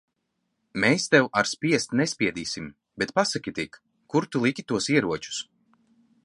Mēs tev ar spiest nespiedīsim. Bet pasaki tik, kur tu liki tos ieročus?